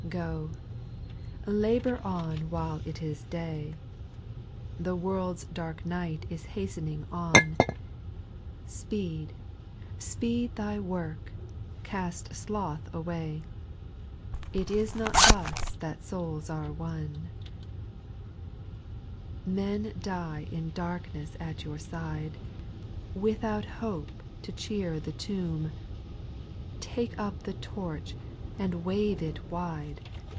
4. ' Go, labour on while it is day, The world's dark night is hastening on ; Speed, speed thy work, cast sloth away ; It is not thus that souls are won. 5. Men die in darkness at your side, Without a hope to cheer the tomb ; Take up the torch and wave it wide.